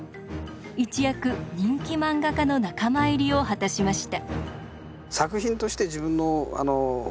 一躍人気漫画家の仲間入りを果たしました。